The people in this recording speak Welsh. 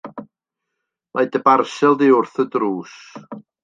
Mae dy barsel di wrth y drws.